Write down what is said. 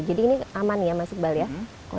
jadi ini aman ya masuk balik